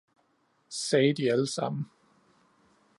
sagde de alle sammen.